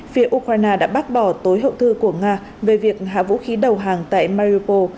phía ukraine đã bác bỏ tối hậu thư của nga về việc hạ vũ khí đầu hàng tại mauipo